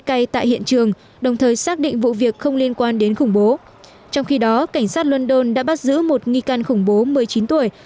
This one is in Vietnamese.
ngay tại hiện trường đồng thời xác định vụ việc không liên quan đến khủng bố trong khi đó cảnh sát london đã bắt giữ một nghi can khủng bố một mươi chín tuổi